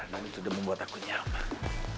dan itu sudah membuat aku nyaman